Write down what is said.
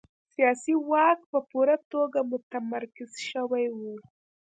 سیاسي واک په پوره توګه متمرکز شوی و.